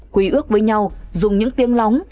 quy ước với nhau dùng những tiếng lóng